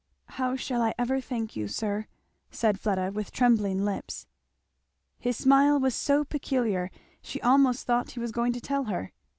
"How shall I ever thank you, sir!" said Fleda with trembling lips. His smile was so peculiar she almost thought he was going to tell her.